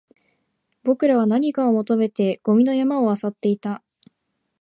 僕らは何かを求めてゴミの山を漁っていた